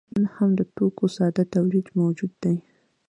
نن هم د توکو ساده تولید موجود دی.